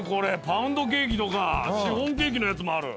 パウンドケーキとかシフォンケーキのやつもある。